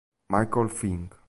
Michael Fink